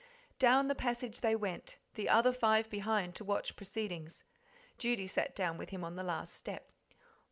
Down the passage they went, the other five behind to watch proceedings. Judy sat down with him on the last step.